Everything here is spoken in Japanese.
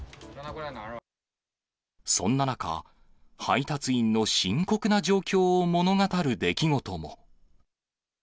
そんな中、配達員の深刻な状況を物語る出来事も。